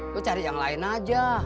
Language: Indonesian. gue cari yang lain aja